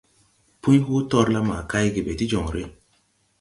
Pũy hoo torla ma kay ge be ti jonre.